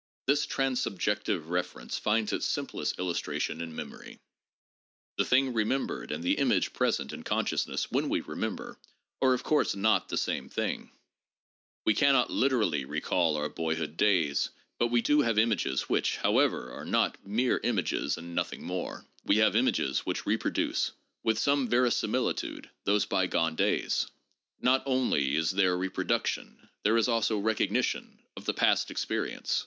This transsubjective reference finds its simplest illustration in memory. The thing remembered and the image present in consciousness when we remember, are of course not the same thing. We cannot literally recall our 282 THE PHILOSOPHICAL REVIEW. [Vol. XVI. boyhood days, but we do have images which, however, are not mere images and nothing more : we have images which repro duce with some verisimilitude those bygone days. Not only is there reproduction, there is also recognition, of the past experience.